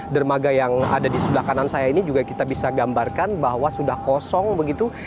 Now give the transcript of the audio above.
dermaga yang ada di sebelah kanan saya ini juga kita bisa gambarkan bahwa sudah kosong begitu